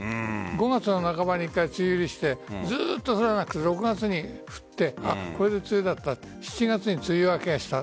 ５月の半ばに１回梅雨入りしてずっと降らなくて６月に降ってこれで梅雨だったって７月に梅雨明けをした。